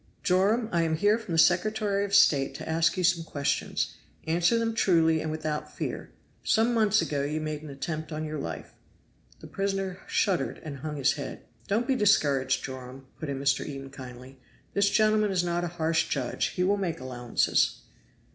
"Joram, I am here from the Secretary of State to ask you some questions. Answer them truly and without fear. Some months ago you made an attempt on your life." The prisoner shuddered and hung his head. "Don't be discouraged, Joram," put in Mr. Eden kindly, "this gentleman is not a harsh judge, he will make allowances."